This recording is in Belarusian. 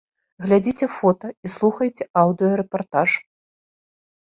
Глядзіце фота і слухайце аўдыё-рэпартаж.